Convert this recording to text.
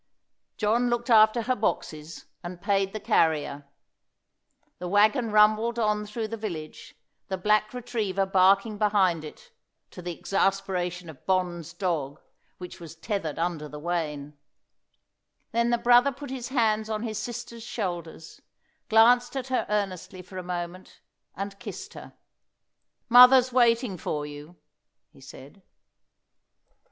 John looked after her boxes, and paid the carrier. The wagon rumbled on through the village, the black retriever barking behind it, to the exasperation of Bond's dog, which was tethered under the wain. Then the brother put his hands on his sister's shoulders, glanced at her earnestly for a moment, and kissed her. "Mother's waiting for you," he said.